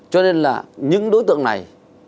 cho nên là những đối tượng này